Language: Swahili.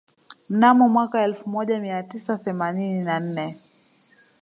Mnamo mwaka elfu moja mia tisa themanini na nne